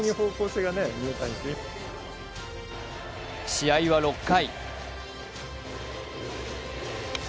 試合は６回。